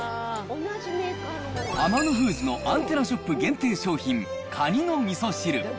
アマノフーズのアンテナショップ限定商品、蟹のみそ汁。